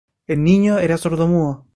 El niño era sordomudo.